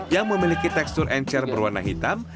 yang memiliki tekstur encer berwarna hitam